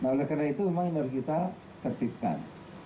oleh karena itu memang kita ketikkan